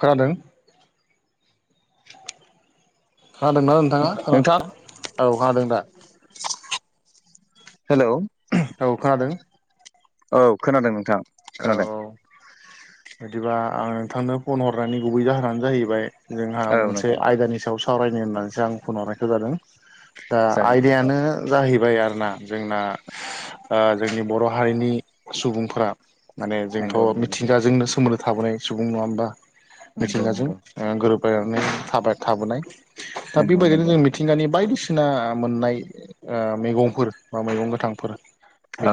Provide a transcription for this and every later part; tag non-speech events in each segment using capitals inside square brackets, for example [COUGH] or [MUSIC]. खोनादों खोनादोंना नोंथाङा औ खोनादों दा हेल' औ खोनादों औ खोनादों नोंथां खोनादों औ बिदिबा आं नोंथांनो फन हरनायनि गुबै जाहोनानो जाहैबाय जोंहा औ मोनसे नोंथां आयदानि सायाव सावरायनो होननानैसो आं फन हरनाय जादों दा जागोन आयदायानो जाहैबाय आरोना जोंना जोंनि बर' हारिनि सुबुंफोरा माने नंगौ जोंथ' मिथिंगाजोंनो सोमोन्दो थाबोनाय सुबुं नङा होमबा नंगौ मिथिंगाजों नंगौ ओ गोरोबलायनानै थाबाय थाबोनाय नंगौ दा बेबायदिनो नंगौ जोंनि मिथिंगानि बायदिसिना मोननाय मैगंफोर बा मैगं गोथांफोर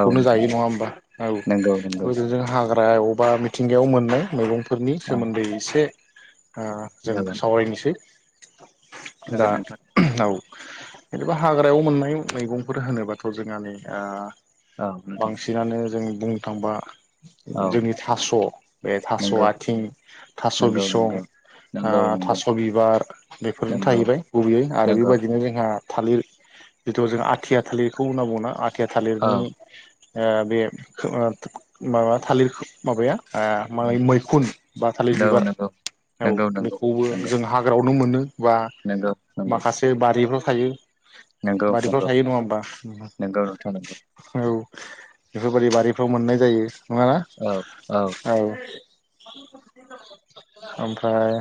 औ नोंथां जायो नङा होमबा औ। नंगौ नंगौ जों हाग्रा बबावबा मिथिंगायाव मोननाय मैगंफोरनि औ सोमोन्दै एसे दा जों जागोन सावरायनोसै दा जागोन नोंथां औ जेनेबा हाग्रायाव मोननाय मैगंफोर होनोबाथ' जोंहा नै ओ औ नोंथां दानो जों बुंनो थांबा औ जोंनि थास' बे थास' नंगौ आथिं थास' नंगौ बिसं नंगौ ओ नंगौ नंगौ थास' बिबार बेफोरनो नंगौ थाहैबाय गुबैयै आरो नंगौ बेबायदिनो जोंहा थालिर जिथु जों आथिया थालिरखौ होनना बुङोना आथिया औ थालिरनि बे माबा थालिरखो माबाया ओ मो नंगौ मैखुन बा थालिर औ बिबार औ नंगौ नंगौ बेखौबो नंगौ जोंहा हाग्रायावनो मोनो बा नंगौ माखासे बारिफ्राव थायो। नंगौ नंगौ बारिफ्राव थायो नङा होनबा उम नंगौ नोंथां नंगौ औ बेफोरबायदि बारिफ्राव मोननाय जायो नङाना। औ ओमफ्राय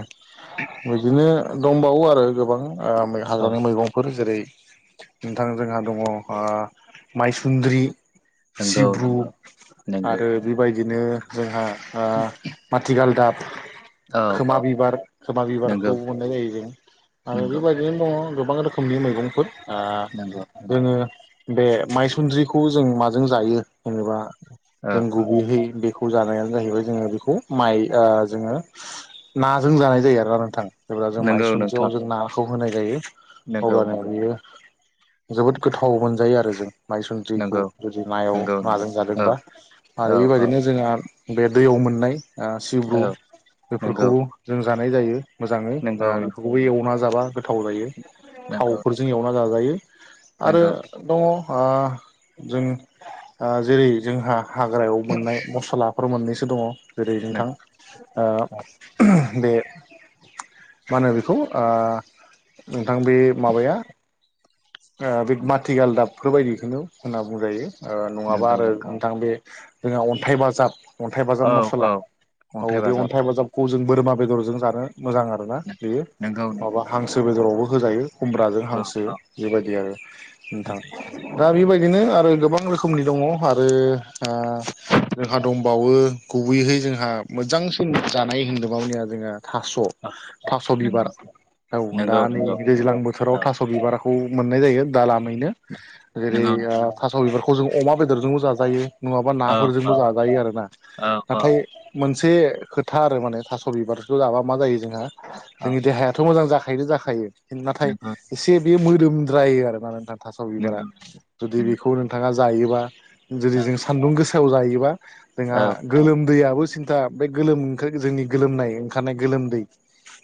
बिदिनो दंबावो आरो गोबां औ हाग्रानि मैगंफोर जेरै नोंथां जोंहा दङ माइसुन्द्रि नोंगौ सिब्रु नोंगौ आरो बेबायदिनो जोंहा माथि गालदाब औ खोमा औ बिबार खोमा बिबारखौ नंगौ मोननाय जायो जों आरो नंगौ बेबायदि बिदिनो दङ गोबां रोखोमनि मैगंफोर नंगौ जोङो नंगौ बे मायसुन्द्रिखौ जों माजों जायो जेनेबा जों औ गुबैहै बेखौ जानायानो जाहैबाय जोङो बेखौ माइ जोङो नाजों जानाय जायो आरोना नोंथां। जेब्ला जों नंगौ नोंथां माइसुद्रियाव जों नाखौ होनाय जायो नंगौ हगानाया नंगौ बियो जोबोद गोथाव मोनजायो आरो जों माइसुन्द्रिखौ नंगौ जुदि नायाव नंगौ नंगौ नाजों औ जादोंबा। औ आरो औ बेबायदिनो जोंहा बे दैयाव मोननाय सिब्रु औ नंगौ बेफोरखौबो जों जानाय जायो मोजाङै नंगौ नंगौ बेफोरखौबो एवना जाबा गोथाव जायो। नंगौ थावफोरजों एवना जाजायो आरो नंगौ दङ जों जेरै जोंहा हाग्रायाव मोननाय मस्लाफोर मोननैसो दङ जेरै नोंथां नंगौ ओ बे मा होनो बेखौ ओ नोंथां बे माबाया बे थारैनो, माथिगाल दाबफोर बायदिखौनो होनना बुंजायो नङाबा नंगौ आरो नंगौ नोंथां बे जोंहा अन्थाइ बाजाब अन्थाइ बाजाब औ मसला औ औ बे अन्थाइ बाजाब खौ जों बोरमा बेदरजों जानो मोजां आरो आरोना बेयो नंगौ नंगौ माबा हांसो बेदरावबो होजायो खुमब्राजों औ हांसो। औ बेबायदि आरो नोंथां होजायो होजायो दा बेबायदिनो आरो गोबां रोखोमनि दङ आरो आरो जोंहा दंबावो गुबैहै जोंहा मोजां सिन जानाय हिन्दोबावनिया जोंहा थास' थ औ थास' नंगौ बिबार औ दा नंगौ नै नंगौ दैज्लां बोथोराव औ थास' बिबारा खौ मोननाय जायो दालामैनो जेरै नंगौ नोंथां नंगौ थास' बिबारखौ जों अमा बेदरजोंबो जाजायो। नङाबा औ नाफोरजोंबो औ जाजायो आर ना औ औ नाथाय मोनसे खोथा आरो माने थास' बिबारखौ जाबा मा जायो जोंहा औ जोंनि देहाया थ' मोजां जाखायोनो जाखायो नाथाय नंगौ एसे बेयो मोदोमद्रायो आरोना नोंथां। थास' बिबारा नंगौ नंगौ जुदि नंगौ बेखौ नोंथाङा जायोबा जुदि औ जों सान्दुं गोसा सिथायाव जायोबा औ जोंहा नोंथां गोलोमदैयाबो सिन्था बे गोलोम ओंखार जोंनि गोलोमनाय ओंखारनाय गोलोमदै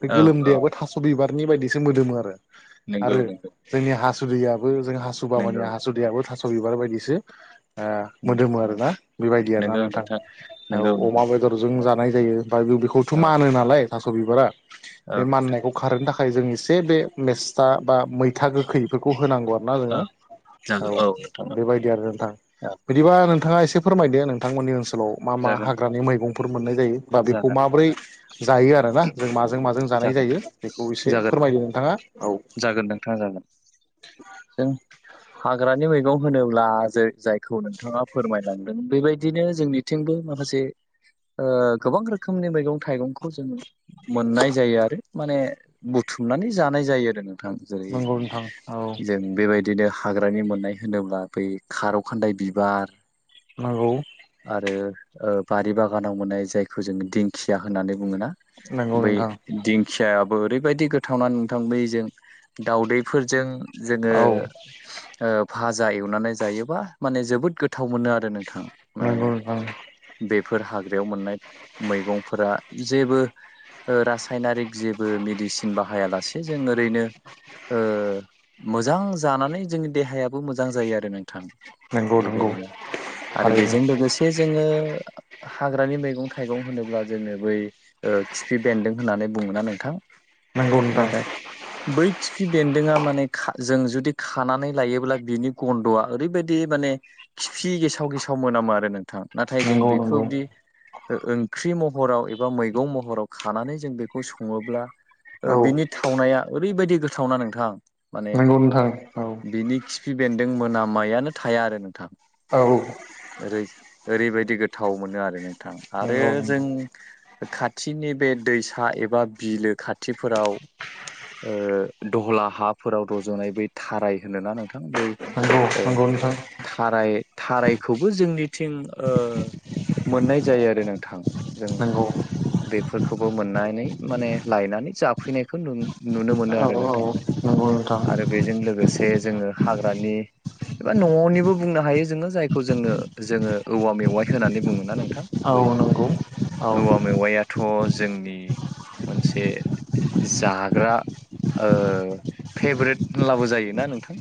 बे औ औ गोलोमदैयाबो थास बिबारनि बायदिसो मोदोमो आरो। नंगौ आरो नंगौ जोंनि हासुदैयाबो जों हासु बाबानि नंगौ हासुदैयाबो थास' बिबार बायदिसो नंगौ ओ-मोदोमो आर ना बेबायदि आर ना नोंथां। औ नंगौ नंगौ अमा बेदरजों औ जानाय जायो बफ्राय बे बेखौथ' औ मानो नालाय। थास' बिबारा बे औ माननायखौ खारहोनो थाखाय जों एसे बे मेस्था बा मै था गोखैफोरखौ होनांगौ आरो ना जोङो औ जागोन औ नोंथां बेबायद दि आरो नोंथां औ। बिदिबा नोंथाङा एसे फोरमायदो नोंथांमोननि ओनसोलाव। मा मा जागोन हाग्रानि मैगंफोर मोननाय जायो बा बेखौ जागोन माबोरै जायो आरो। आरोना जों माजों माजों जानाय जागोन जायो बेखौ एसे जागोन फोरमायदो नोंथाङा। औ जागोन नोंथां जागोन जों हाग्रानि मैगं होनोब्ला ज-जायखौ नोंथाङा फोरमायलांदों बेबायदिनो जोंनि थिंबो माखासे गोबां ओ-रोखोमनि मैगं थाइगंखौ जों मोननाय जायो आरो माने बुथुमनानै जानाय जायो आरो नों। थां जेरै नंगौ नोंथां औ जों बेबायदि। बिदिनो हाग्रानि मोननाय होनोब्ला बै खार' खान्दाय बिबार। नांगौ। आरो ओ बारि बागानाव मोननाय जायखौ जोङो दिंखिया होननानै बुङोना। नंगौ बै नोंथां दिंखियाबो ओरैबायदि गोथावनानै नोंथां बैजों। दाउदैफोरजों जोङो औ ओ-भाजा एवनानै जायोबा माने जोबोद गोथाव मोनो आरो नोंथां। माने नंगौ नोंथां बेफोर हाग्रायाव मोननाय मैगंफोरा जेबो रासायनारिक जेबो मेडिसिन बाहायालासे जों ओरैनो। ओ-मोजां जानानै जोंनि देहायाबो मोजां जायो आरो नों। थां नंगौ नंगौ बेबायदिनो आरो थारैनो बेजों लोगोसे जे जोङो हाग्रानि मैगं थाइगं होनोब्ला जोङो बै ओ- खिफि बेन्दों होननानै बुङो ना नोंथां नंगौ नाथाय। [INAUDIBLE] बै खिफि बेन्दोंआ माने खा जों जुदि खानानै लायोब्ला बिनि गन्द'आ ओरैबायदि माने खिफि गेसाव गेसाव मोनामो आरो नोंथां। नाथाय जों नंगौ नंगौ बेखौदि ओ-ओंख्रि महराव एबा मै मैगं महराव खानानै जों बेखौ सङोब्ला औ ओ-बिनि थावनाया ओरैबायदि गोथावना नोंथां। माने नोंगौ नोंथां औ बिनि खिफि बेन्दों मोनामनायानो थाया आरो नोंथां। औ ओरै ओरैबायदि गोथाव मोनो आरो नोंथां आरो नंगौ नंगौ जों। खाथिनि बे दैसा एबा बिलो खाथिफोराव। ओ-दहला हाफोराव रज'नाय बै थाराय होनोना नोंथां बै औ ओ नंगौ नोंथां थाराय थारायखौबो जोंनिथिं ओ मोननाय जायो आरो नोंथां। जों नंगौ बेफोरखौबो मोननानै माने लायनानै जाफैनायखौ नुनो नुनो मोनो आरो औ नोंथां औ नंगौ नोंथां आरो बेजों लोगोसे जोङो हाग्रानि। एबा न'निबो बुंनो हायो जोङो जायखौ जोङो जोङो औवा मेवाइ होननानै बुङोना नों औ नंगौ औ औवा मेवायथ' जोंनि मोनसे जाग्रा ओ फेभ्रेट होनब्लाबो जायोना नोंथां।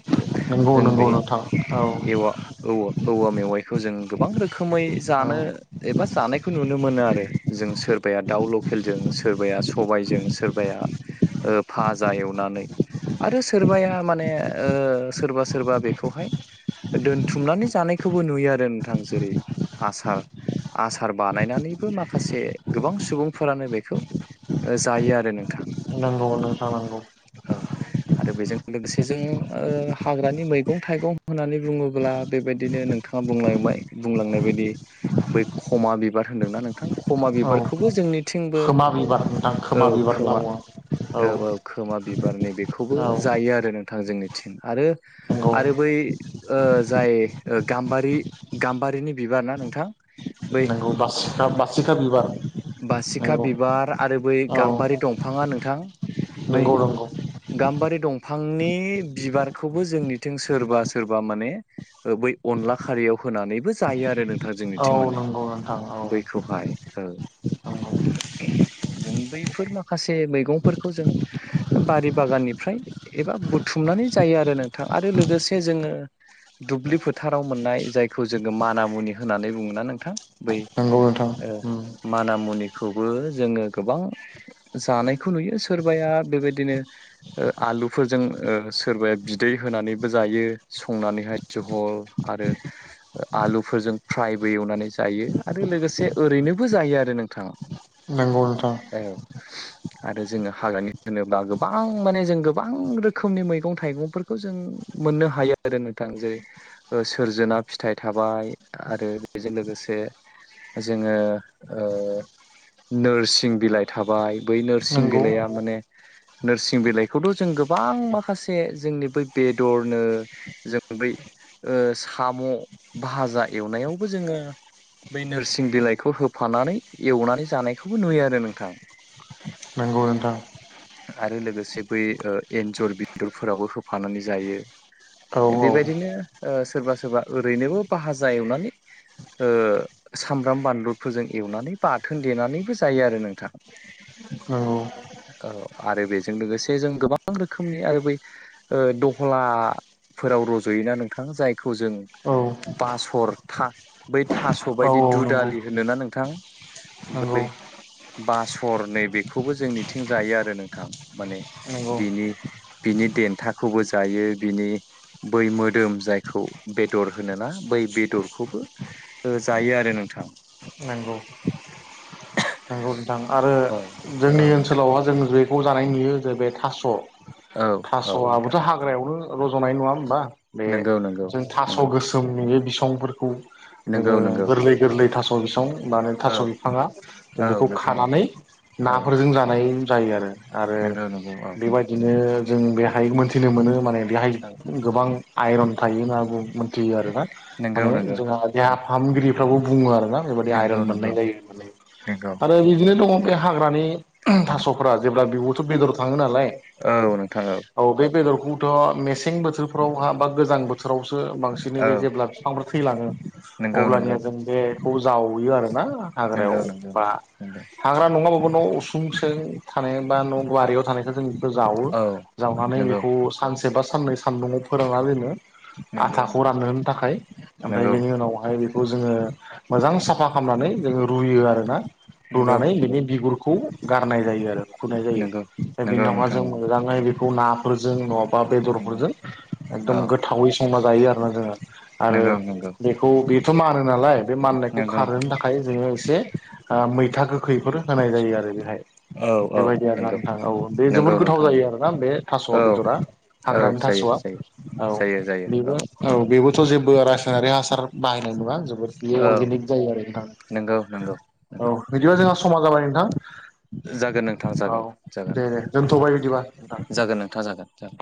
नंगौ जों नंगौ बे नोंथां औ एवा औ औवा मेवाइखौ जों गोबां रोखोमै औ जानो एबा जानायखौ नुनो मोनो आरो। जों सोरबाया दाउ लकेलजों सोरबाया सबायाइजों सोरबाया ओ भाजा एवनानै आरो सोरबाया माने ओ सोरबा सोरबा बेखौहाय दोनथुमनानै जानायखौबो नुयो आरो नोंथां जेरै आसार। आसार बानायनानैबो मा माखासे गोबां सुबुंफोरानो बेखौ जायो आरो नोंथां। अ नोंथां नंगौ औ आरो बेजों लोगोसे जों ओ हाग्रानि मैगं थाइगं होननानै बुङोब्ला बेबायदिनो नों थाङा बुंलांबाय बुंलांनाय बायदि बै खमा बिबार होनदोंना नोंथां। खमा औ बिबारखौबो जोंनि थिंबो खोमा बिबार नोंथां औ बिबार होनना खोमा बुङो औ औ खोमा बिबारनि बेखौ खौबो औ जायो आरो नोंथां जोंनि थिं आरो नंगौ आरो बै ओ जाय गाम्बारि गाम्बारिनि बिबार ना नोंथां बै औ बसिखा बसिखा बिबार बासिखा नंगौ बिबार आरो बै औ गाम्बारि दंफाङा नोंथां बै नंगौ नंगौ गाम्बारि दंफांनि बिबारखौबो जोंनिथिं सोरबा सोरबा माने ओ बै अनला खारियाव होनानैबो जायो आरो नों थां औ जोंनिथिं माने नंगौ नोंथां औ बैखौहाय नंगौ जों बैफोर माखासे मैगंफोरखौ जों बारि बागाननिफ्राय एबा बुथुमनानै जायो आरो नोंथां आरो लोगोसे जोंङो दुब्लि फोथाराव मोननाय जायखौ जोंङो माना मुनि होननानै बुङो ना नोंथां बै नंगौ नोंथां ओ माना मुनिखौबो जोंङो गोबां जानायखौ नुयो सोरबाया बेबायदिनो आलुफोरजों सोरबाया बिदै होनानैबो जायो संनानैहाय जहल आरो आलुफोरजों फ्रायबो एवनानै जायो आरो लोगोसे ओरैनो बो जायो आरो नोंथां औ नोंथां औ आरो जोंङो हाग्रानि होनोब्ला गोबां माने जों गोबां रोखोमनि मैगं थाइगंफोरखौ खौ जों मोननो हायो आरो नोंथां जेरै सोरजोना फिथाइ थाबाय आरो बेजों लोगोसे जोंङो नोरसिं बिलाइ थाबाय बै नोरसिं नंगौ बिलाइया माने नोरसिं बिलाइखौथ' जों गोबां माखासे जोंनि बै बेदरनो जों बै साम' भाजा एवनायावबो जोंङो बै नोरसिं बिलाइखौ हो फानानै एवनानै जानायखौबो नुयो आरो नोंथां। औ नोंथां आरो लोगोसे बै एन्जर बेदरफोरावबो होफानानै जायो। औ औ बेबायदिनो सोरबा सोरबा ओरैनोबो भाजा एवनानै ओ सामब्राम बानलु फोरोजों एवनानै बाथोन देनानैबो जायो आरो नोंथां। नंगौ औ आरो बेजों लोगोसे जों गोबां रोखोमनि आरो बै ओ दहलाफोराव रज'योना नोंथां जायखौ जों औ बासर था बै थास' औ बायदि औ नंगौ दुदालि होनोना नोंथां नंगौ बै बासर नै बेखौबो जोंनिथिं जायो आरो नोंथां माने नंगौ बिनि बिनि देन्थाखौबो जायो बिनि बै मोदोम जायखौ बेदर होनोना बै बेदरखौबो जायो आरो नोंथां नंगौ नंगौ आरो औ जोंनि नोंथां ओनसोलावहा जों बेखौ जानाय नुयो जे बे थास' औ नोंथां थास'आबोथ' हाग्रायावनो रज'नाय नङा हबा बे नंगौ नंगौ जों थास' नंगौ गोसो नि बिसंफोरखौ नंगौ जोंओ नंगौ गोरलै गोरै थास' बिसां मान औ थास' बिफाङा औ खौ नोंथां खानानै औ नाफोरजों जानाय जायो आरो आरो नंगौ नंगौ औ बेबायदि बिदिनो जों बेहाय मोनथिनो मोनो माने बेहाय औ गोबां आइरन थायो होन बुं यो आरो ना माने नंगौ नंगौ जोंहा देहा फाहामगिरिफ्राबो बुङो आरो ना नंगौ नंगौ नंगौ आरो बिदिनो दङ बे हाग्रानि थास'फोरा जेब्ला बिबुथ' बेदर थाङो नालाय औ नोंथांऔ औ बे बेदरखौथ' मेसें बोथोरफ्रावहा बा गोजां बोथोरावसो बांसिन बिदिनो औ बे जेब्ला बिफांफोर थैलाङो नंगौ अब्लानिया नंगौ जों बेखौ जावयो आर ना हाग्रायाव नंगौ नंगौ बा नंगौ हाग्रा नङाबाबो न' उसुं सजों थानाय बा न' बारियाव थानायखौ जों बे जावो औ जावनानै नंगौ बेखौ सानसे बा साननै सानदुंङाव फोरानना दोनो नंगौ आथाखौ नंगौ राननो होनो थाखाय ओमफ्राय नंगौ बेनि उनावहाय बे खौ जोङो मोजां साफा खालामनानै जोङो रुयो आर ना नंगौ रुनानै नंगौ बिनि बिगुरखौ गारनाय जायो आरो। खुनाय जायो नंगौ दा नंगौ बिनावहा नोंथां जों नंगौ मोजाङै बेखौ नाफोरजों न' बा नंगौ बेदरफोरजों एकदम औ गोथावै संना जायो आरोना जोङो आरो नंगौ नंगौ बेखौ बेथ' मानो नालाय बे माननायखौ नंगौ खारहोनो थाखाय जोङो एसे मैथा गोखैफोर होनाय जायो आरो बेहाय औ औ बेबायदि आर ना नंगौ नोंथां औ बे जोबोद नंगौ गोथाव नोंथां जायो नंगौ आरो ना बे थास' औ बेदरा औ हाग्रानि जायो थास'आ जायो औ जायो जायो बेबो औ बेबोथ' जेबो रासायनारि हासार बाहायनाय नङा जोबोद बेयो अर्गेनिक जायो आरो नोंथां नोंगौ नंगौ औ नंगौ बिदिबा जोंहा समा जाबाय जागोन नोंथां नोंथां औ जागोन जागोन दे दे दोनथ'बाय बिदिबा नोंथां जागोन नोंथां जागोन जागोन